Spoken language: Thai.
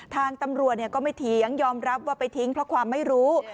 ทางตำรวจก็ไม่เถียงยอมรับว่าไปทิ้งเพราะความไม่รู้